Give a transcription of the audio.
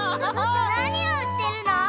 なにをうってるの？